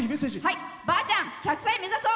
ばあちゃん、１００歳目指そう。